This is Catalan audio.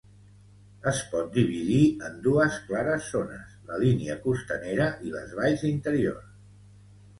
Es pot dividir en dues clares zones, la línia costanera i les valls interiors.